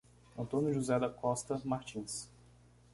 Antônio José da Costa Martins